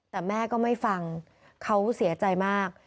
แต่แม่ก็ไม่ฟังเขาเสียใจมาก